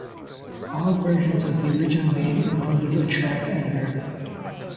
All versions of the original game included a track editor.